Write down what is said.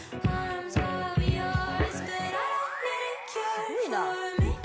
すごいな。